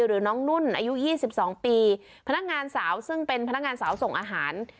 หรือน้องนุ่นอายุ๒๒ปีพนักงานสาวซึ่งเป็นพนักงานสาวส่งอาหาร